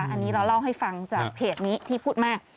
อันนี้เราเล่าให้ฟังจากเพจนี้ที่พูดมาก